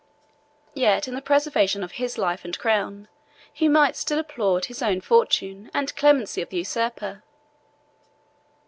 Yet, in the preservation of his life and crown, he might still applaud his own fortune and the clemency of the usurper.